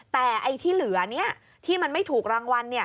แต่ไอ้ที่เหลือที่มันไม่ถูกรางวัล